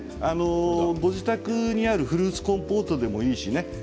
ご自宅にあるフルーツコンポートでもいいしね